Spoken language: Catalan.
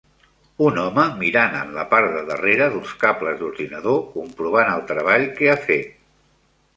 Un home mirant en la part de darrere d'uns cables d'ordinador comprovant el treball que ha fet.